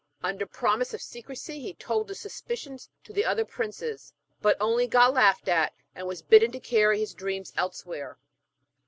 Under promise of secrecy, he told his suspicions to the other princes, but only got laughed at, and was bidden to carry his dreams elsewhere.